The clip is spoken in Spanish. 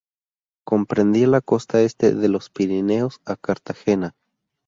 Comprendía la costa este, desde los Pirineos a Cartagena.